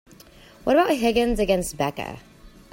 What about Higgins against Becca?